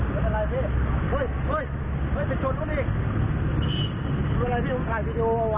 เป็นอะไรพี่ผมถ่ายวีดีโอเอาไว้